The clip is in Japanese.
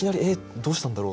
どうしたんだろう？